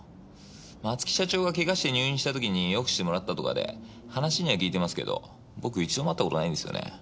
松木社長がケガして入院した時によくしてもらったとかで話には聞いてますけど僕一度も会ったことないんですよね。